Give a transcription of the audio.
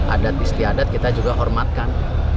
adat istiadat kita juga hormatkan